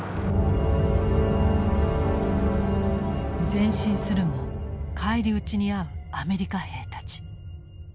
前進するも返り討ちに遭うアメリカ兵たち。